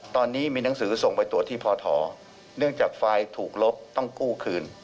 ตอนนี้มีหนังสือส่งไปตรวจที่พอทเนื่องจากไฟล์ถูกลบต้องกู้คืน